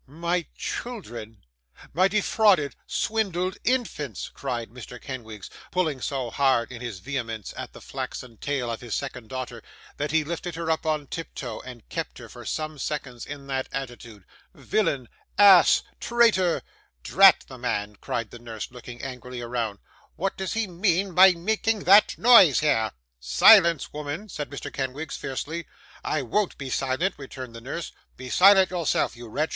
'My children, my defrauded, swindled infants!' cried Mr. Kenwigs, pulling so hard, in his vehemence, at the flaxen tail of his second daughter, that he lifted her up on tiptoe, and kept her, for some seconds, in that attitude. 'Villain, ass, traitor!' 'Drat the man!' cried the nurse, looking angrily around. 'What does he mean by making that noise here?' 'Silence, woman!' said Mr. Kenwigs, fiercely. 'I won't be silent,' returned the nurse. 'Be silent yourself, you wretch.